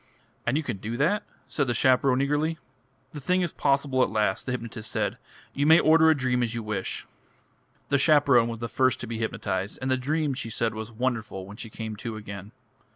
"And you can do that!" said the chaperone eagerly. "The thing is possible at last," the hypnotist said. "You may order a dream as you wish." The chaperone was the first to be hypnotised, and the dream, she said, was wonderful, when she came to again.